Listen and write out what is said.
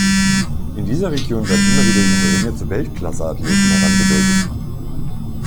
In dieser Region werden immer wieder junge Ringer zu Weltklasseathleten herangebildet.